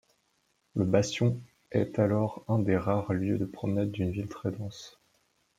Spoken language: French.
Le bastion est alors un des rares lieux de promenade d’une ville très dense.